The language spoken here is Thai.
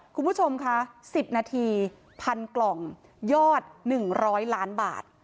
คุณผู้ชมคะ๑๐นาที๑๐๐กล่องยอด๑๐๐ล้านบาท